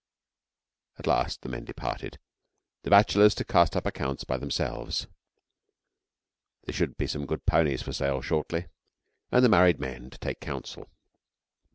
At last the men departed; the bachelors to cast up accounts by themselves (there should be some good ponies for sale shortly) and the married men to take counsel.